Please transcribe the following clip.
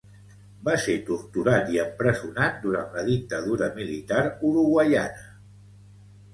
Va ser torturat i empresonat durant la dictadura militar uruguaiana.